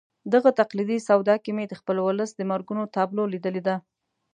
دغه تقلیدي سودا کې مې د خپل ولس د مرګونو تابلو لیدلې ده.